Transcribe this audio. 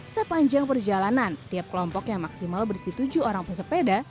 sepanjang perjalanan tiap kelompok yang maksimal berisi tujuh orang pesepeda